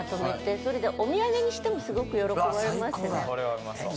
それでお土産にしてもすごく喜ばれますね。